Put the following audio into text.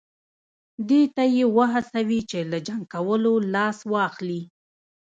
دې ته یې وهڅوي چې له جنګ کولو لاس واخلي.